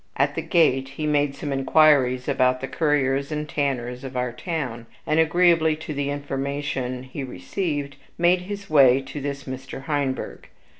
At the gate he made some inquiries about the curriers and tanners of our town; and, agreeably to the information he received, made his way to this Mr. Heinberg.